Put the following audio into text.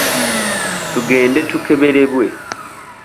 Tugende tukeberebwe